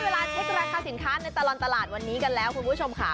เวลาเช็คราคาสินค้าในตลอดตลาดวันนี้กันแล้วคุณผู้ชมค่ะ